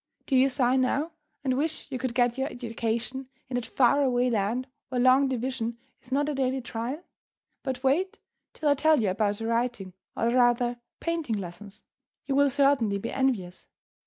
Do you sigh now, and wish you could get your education in that far away land where long division is not a daily trial? But wait till I tell you about the writing, or rather painting, lessons. You will certainly be envious.